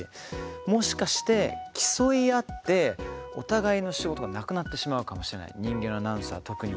もしかして競い合ってお互いの仕事がなくなってしまうかもしれない人間のアナウンサー、特に。